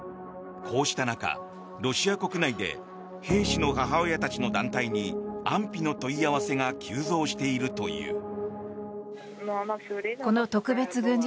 こうした中、ロシア国内で兵士の母親たちの団体に安否の問い合わせが急増しているという。